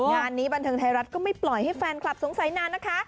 งานนี้บันเทิงไทยรัฐก็ไม่ปล่อยให้แฟนคลับสงสัยนานนะคะ